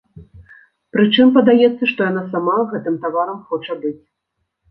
Прычым падаецца, што яна сама гэтым таварам хоча быць.